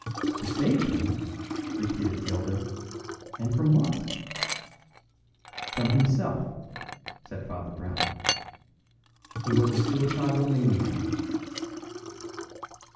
"To save him!" repeated Gilder. "And from what?" "From himself," said Father Brown. "He was a suicidal maniac."